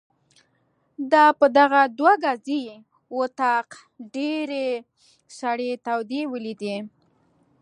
ده په دغه دوه ګزي وطاق ډېرې سړې تودې ولیدې.